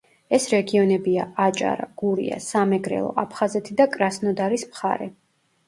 ეს რეგიონებია: აჭარა, გურია, სამეგრელო, აფხაზეთი და კრასნოდარის მხარე.